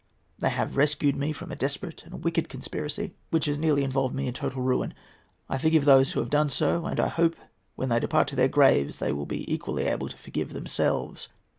They have rescued me from a desperate and wicked conspiracy which has nearly involved me in total ruin. I forgive those who have so done; and I hope when they depart to their graves they will be equally able to forgive themselves.